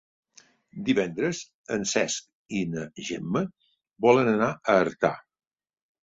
Divendres en Cesc i na Gemma volen anar a Artà.